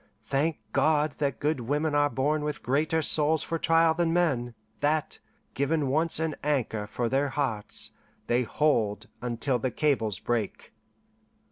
Thank God that good women are born with greater souls for trial than men; that, given once an anchor for their hearts, they hold until the cables break.